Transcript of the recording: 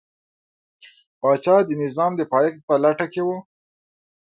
پاچا د نظام د پایښت په لټه کې و.